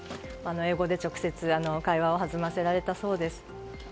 英語で直接会話を弾ませられたそうです。